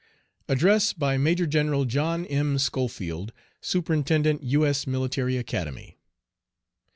ADDRESS BY MAJOR GENERAL JOHN M. SCHOFIELD, Superintendent U. S. Military Academy.